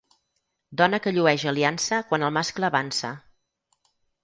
Dona que llueix aliança quan el mascle avança.